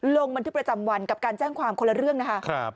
ลงบันทึกประจำวันกับการแจ้งความคนละเรื่องนะคะ